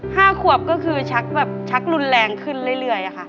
ห้าขวบก็คือชักแบบชักรุนแรงขึ้นเรื่อยเรื่อยอะค่ะ